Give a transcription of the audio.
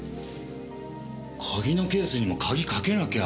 鍵のケースにも鍵かけなきゃ。